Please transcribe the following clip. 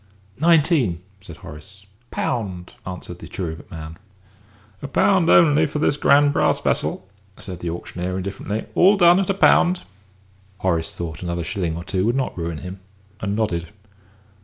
"Nineteen!" said Horace. "Pound!" answered the cherubic man. "A pound only bid for this grand brass vessel," said the auctioneer, indifferently. "All done at a pound?" Horace thought another shilling or two would not ruin him, and nodded.